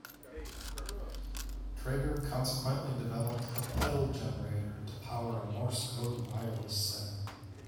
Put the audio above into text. Traeger consequently developed a pedal generator to power a morse code wireless set.